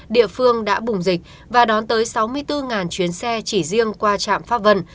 địa phương đã bùng dịch và đón tới sáu mươi bốn chuyến xe chỉ riêng qua trạm pháp vân